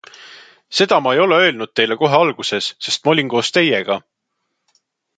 Seda ma ei ole öelnud teile kohe alguses, sest ma olin koos teiega.